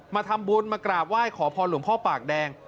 มาทำบุญมากราบไหว้ขอพรหลวงพ่อปากแดง